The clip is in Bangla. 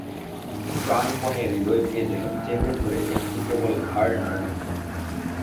প্রাণপণে হৃদয়কে যেন চেপে ধরে একটু কেবল ঘাড় নাড়লুম।